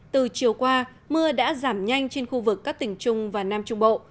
từ chiều qua mưa đã giảm nhanh trên khu vực các tỉnh trung và nam trung bộ